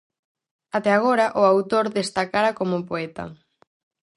Até agora, o autor destacara como poeta.